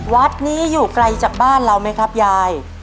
วัดนี้อยู่ไกลจากบ้านเราไหมครับยาย